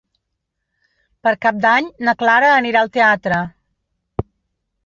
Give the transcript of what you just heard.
Per Cap d'Any na Clara anirà al teatre.